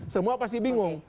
semua pasti bingung